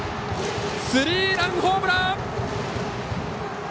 スリーランホームラン！